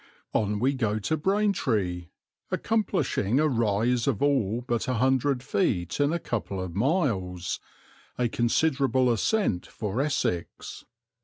On we go to Braintree, accomplishing a rise of all but a hundred feet in a couple of miles, a considerable ascent for Essex.